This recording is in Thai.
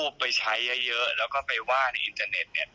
ไปใช้เยอะแล้วก็ไปว่าในอินเทอร์เน็ต